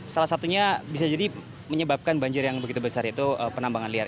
salah satunya bisa jadi menyebabkan banjir yang begitu besar yaitu penambangan liar